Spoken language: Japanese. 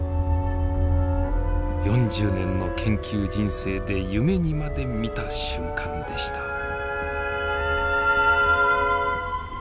４０年の研究人生で夢にまで見た瞬間でした。